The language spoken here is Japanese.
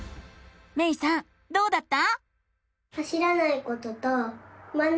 めいさんどうだった？